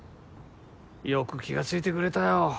よく気が付いてくれたよ